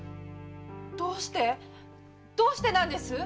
どうしてどうしてなんです